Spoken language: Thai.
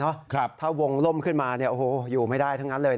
ถ้าวงล่มขึ้นมาอยู่ไม่ได้ทั้งนั้นเลย